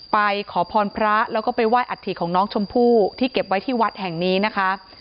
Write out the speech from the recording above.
ไปขอพรพระแล้วก็ไปไหว้อัฐิของน้องชมพู่ที่เก็บไว้ที่วัดแห่งนี้นะคะ